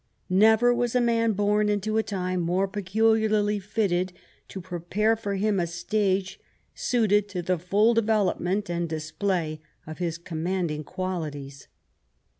!N^ever was a man born into a time more peculiarly fitted to prepare for him a stage suited to the full development and dis play of his commanding qualities.